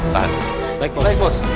tahan tahan bos